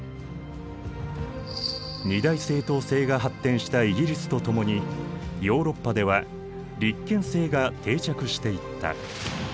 二大政党制が発展したイギリスとともにヨーロッパでは立憲制が定着していった。